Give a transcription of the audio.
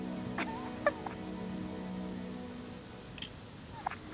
「ハハハハ！」